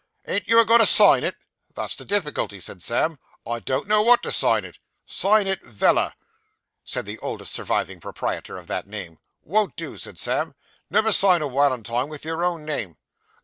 Ain't you a goin' to sign it?' 'That's the difficulty,' said Sam; 'I don't know what to sign it.' 'Sign it "Veller",' said the oldest surviving proprietor of that name. 'Won't do,' said Sam. 'Never sign a walentine with your own name.